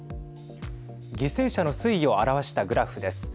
犠牲者の推移を表したグラフです。